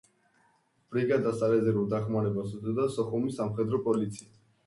ბრიგადას სარეზერვო დახმარებას უწევდა სოხუმის სამხედრო პოლიცია.